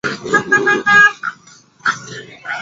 waziri mkuu wa japan naoto kanti amelihutubia taifa hilo